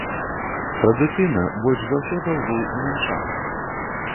Традыцыйна больш за ўсё даўгоў у мінчан.